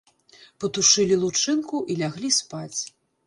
Патушылі лучынку і ляглі спаць.